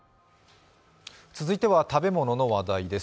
続いては食べ物の話題です。